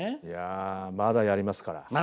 いやまだやりますから。